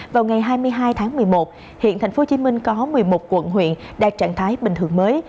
vào ngày hai mươi hai tháng một mươi một hiện tp hcm có một mươi một quận huyện đạt trạng thái bình thường mới